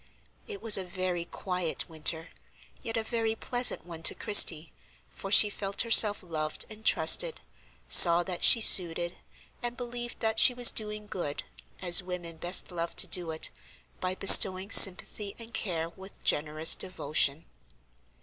It was a very quiet winter, yet a very pleasant one to Christie, for she felt herself loved and trusted, saw that she suited, and believed that she was doing good, as women best love to do it, by bestowing sympathy and care with generous devotion.